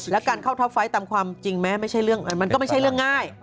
และการเข้าท็อพไฟท์ตามความจริงแม้มันก็ไม่ใช่เรื่องง่าย